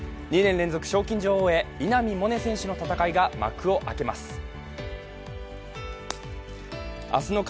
２年連続賞金女王へ稲見萌寧選手の戦いが幕を開けます。